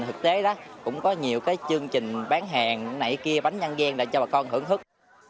thực tế đó cũng có nhiều cái chương trình bán hàng này kia bánh dân gian để cho bà con hưởng thức